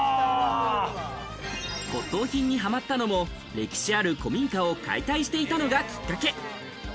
骨董品にはまったのも歴史ある古民家を解体していたのがきっかけ。